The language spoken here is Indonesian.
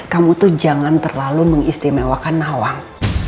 kamu tuh jangan terlalu mengistimewakan nawang